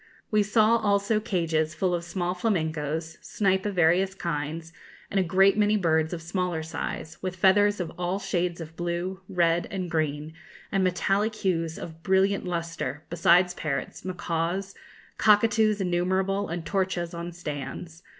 We saw also cages full of small flamingoes, snipe of various kinds, and a great many birds of smaller size, with feathers of all shades of blue, red, and green, and metallic hues of brilliant lustre, besides parrots, macaws, cockatoos innumerable, and torchas, on stands.